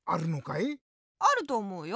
あるとおもうよ。